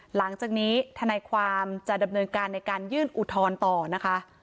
หลังจากนี้ทนายความจะดำเนินการในการยื่นอุทธรณ์ต่อนะคะ